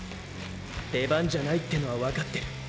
出番じゃないってのは分かってる。